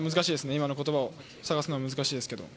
今の言葉を探すのは難しいですけど。